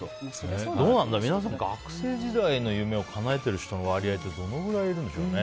皆さん学生時代の夢をかなえてる人の割合ってどのくらいいるんでしょうね。